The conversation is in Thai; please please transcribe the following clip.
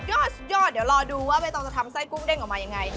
ยอดสุดยอดเดี๋ยวรอดูว่าใบตองจะทำไส้กุ้งเด้งออกมายังไง